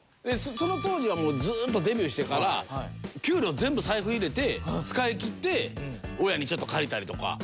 その当時はずっとデビューしてから給料全部財布入れて使いきって親にちょっと借りたりとか。